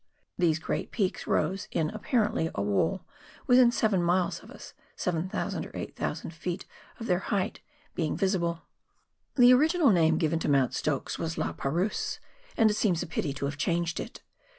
These great peaks rose in apparently a wall, within seven miles of us, 7,000 or 8,000 ft. of their height being visible. The original name given to Mount Stokes was " LaPerouse," and it seems a pity to have changed it.